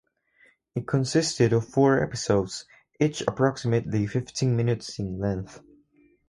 It consisted of four episodes, each approximately fifteen minutes in length.